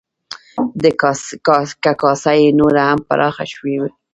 که کاسه یې نوره هم پراخه شوې وی،